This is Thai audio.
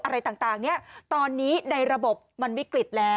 อะไรต่างเนี่ยตอนนี้ในระบบมันวิกฤตแล้ว